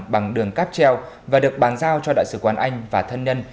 bằng đường cáp treo và được bàn giao cho đại sứ quán anh và thân nhân